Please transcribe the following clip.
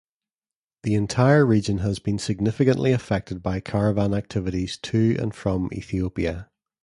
The entire region has been significantly affected by caravan activities to and from Ethiopia.